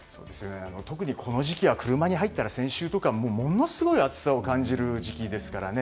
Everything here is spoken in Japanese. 特に、この時期は車に入ったら先週とかものすごい暑さを感じる時期ですからね。